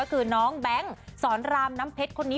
คือน้องแบงแกส